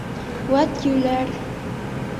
Вәт йүләр!